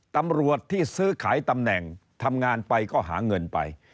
ตำรวจที่ซื้อขายตำแหน่งทำงานไปก็หาเงินไป